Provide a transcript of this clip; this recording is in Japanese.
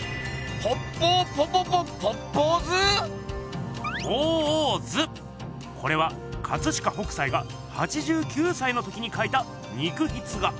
ポッポーポポポポッポー図？鳳凰図！これは飾北斎が８９さいの時にかいた肉筆画。